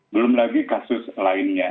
belum lagi kasus lainnya